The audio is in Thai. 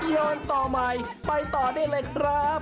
ย้อนต่อใหม่ไปต่อได้เลยครับ